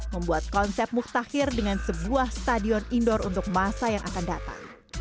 membuat konsep muktahir dengan sebuah stadion indoor untuk masa yang akan datang